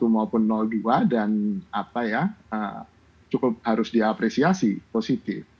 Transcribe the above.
maupun nol satu maupun nol dua dan apa ya cukup harus dia apresiasi positif